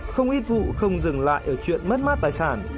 không ít vụ không dừng lại ở chuyện mất mát tài sản